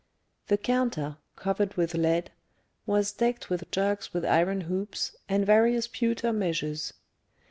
The counter, covered with lead, was decked with jugs with iron hoops, and various pewter measures.